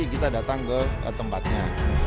kita datang ke tempatnya